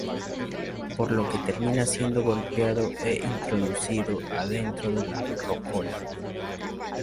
Por lo que termina siendo golpeado e introducido adentro de la rockola.